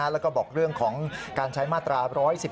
แล้วก็บอกเรื่องของการใช้มาตรา๑๑๒